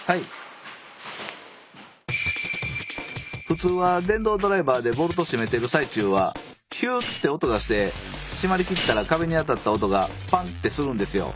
普通は電動ドライバーでボルト締めてる最中はヒューって音がして締まりきったら壁に当たった音がパン！ってするんですよ。